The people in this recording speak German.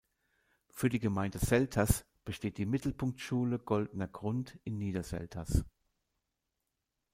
Für die Gemeinde Selters besteht die "Mittelpunktschule Goldener Grund" in Niederselters.